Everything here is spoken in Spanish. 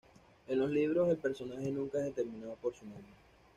En los libros, el personaje nunca es determinado por su nombre.